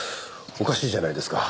おかしいじゃないですか。